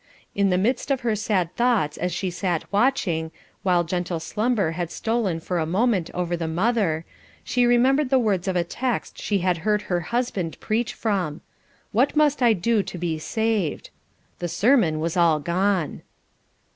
In the midst of her sad thoughts as she sat watching, while gentle slumber had stolen for a moment over the mother, she remembered the words of a text she had heard her husband preach from, "What must I do to be saved?" The sermon was all gone.